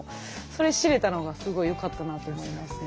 それ知れたのがすごいよかったなと思いますね。